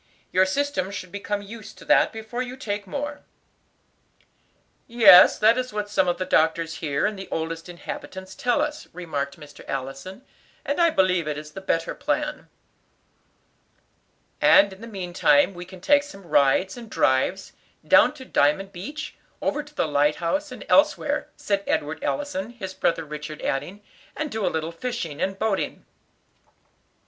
"Your system should become used to that before you take more." "Yes, that is what some of the doctors here, and the oldest inhabitants, tell us," remarked Mr. Allison, "and I believe it is the better plan." "And in the meantime we can take some rides and drives, down to Diamond Beach, over to the light house, and elsewhere," said Edward Allison, his brother Richard adding, "and do a little fishing and boating."